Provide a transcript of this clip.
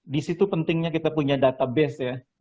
di situ pentingnya kita punya database ya